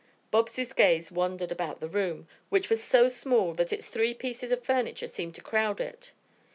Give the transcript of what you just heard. Bobs' gaze wandered about the room, which was so small that its three pieces of furniture seemed to crowd it.